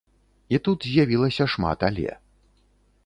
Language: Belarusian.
І тут з'явілася шмат але.